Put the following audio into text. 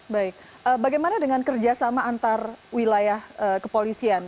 baik bagaimana dengan kerjasama antar wilayah kepolisian